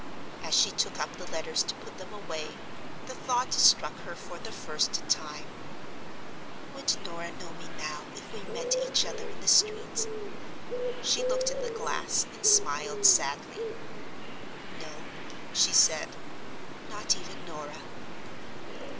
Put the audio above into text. As she took up the letters to put them away, the thought struck her for the first time, "Would Norah know me now if we met each other in the street?" She looked in the glass, and smiled sadly. "No," she said, "not even Norah."